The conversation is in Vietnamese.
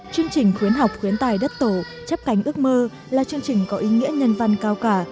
chương trình khuyến học khuyến tài đất tổ chấp cánh ước mơ là chương trình có ý nghĩa nhân văn cao cả